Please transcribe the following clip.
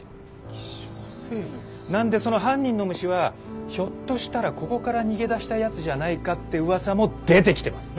なんでその犯人の虫はひょっとしたらここから逃げ出したやつじゃないかってうわさも出てきてます。